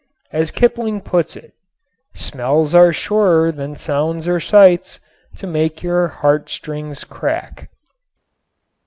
As Kipling puts it: Smells are surer than sounds or sights To make your heart strings crack.